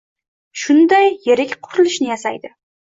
Shunday yirik qurilishni yasaydi.